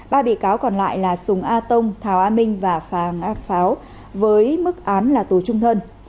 ba bị cáo còn lại là súng a tông thảo a minh và phạm a báo với mức án là tù trung thân